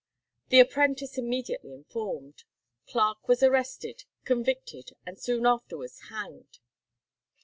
The apprentice immediately informed; Clarke was arrested, convicted, and soon afterwards hanged.